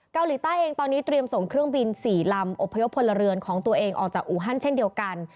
เกาหลีใต้เองตอนนี้เตรียมส่งเครื่องบิน๔ลำอบพยพพลเรือนของตัวเองออกจากอูฮันเช่นเดียวกัน